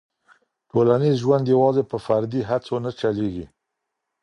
ټولنیز ژوند یوازې په فردي هڅو نه چلېږي.